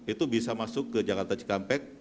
itu bisa masuk ke jakarta cikampek